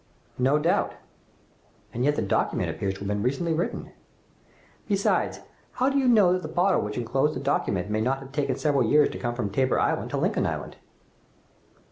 "No doubt," and yet the document appears to have been recently written! "Besides, how do you know that the bottle which enclosed the document may not have taken several years to come from Tabor Island to Lincoln Island?"